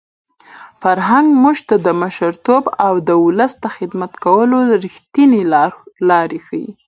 فرهنګ موږ ته د مشرتوب او د ولس د خدمت کولو رښتینې لارې ښيي.